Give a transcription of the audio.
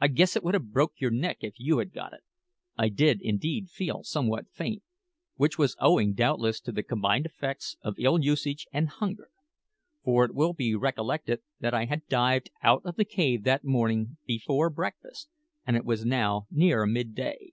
I guess it would have broke your neck if you had got it." I did indeed feel somewhat faint, which was owing, doubtless, to the combined effects of ill usage and hunger; for it will be recollected that I had dived out of the cave that morning before breakfast, and it was now near midday.